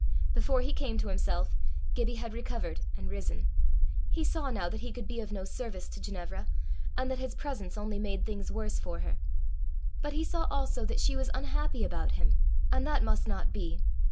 Before he came to himself, Gibbie had recovered and risen. He saw now that he could be of no service to Ginevra, and that his presence only made things worse for her. But he saw also that she was unhappy about him, and that must not be.